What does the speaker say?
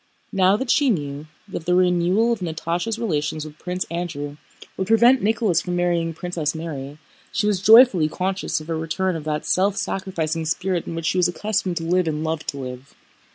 Now that she knew that the renewal of Natásha's relations with Prince Andrew would prevent Nicholas from marrying Princess Mary, she was joyfully conscious of a return of that self sacrificing spirit in which she was accustomed to live and loved to live.